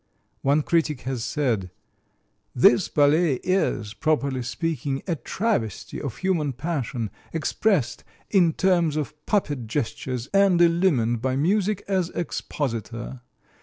One critic has said: "This ballet is, properly speaking, a travesty of human passion, expressed in terms of puppet gestures and illumined by music as expositor.